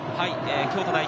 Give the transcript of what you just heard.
京都代表